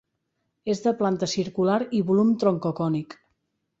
És de planta circular i volum troncocònic.